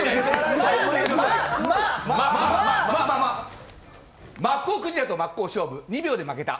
まマッコウクジラと真っ向勝負２秒で負けた。